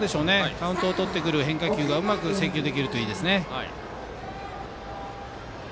カウントをとってくる変化球がうまく制球できるといいですね。